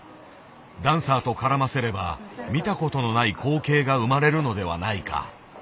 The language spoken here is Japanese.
ダンサーと絡ませれば見た事のない光景が生まれるのではないか。